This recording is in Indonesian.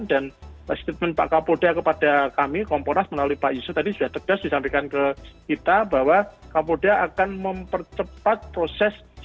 dan pak kapolda kepada kami komponas melalui pak yusuf tadi sudah tegas disampaikan ke kita bahwa kapolda akan mempercepat proses